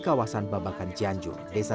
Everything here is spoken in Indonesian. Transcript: menambah sampahnya dilaubahkan di mana yang bisa